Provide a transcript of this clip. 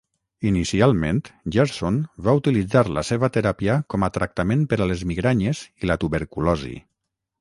Inicialment, Gerson va utilitzar la seva teràpia com a tractament per a les migranyes i la tuberculosi.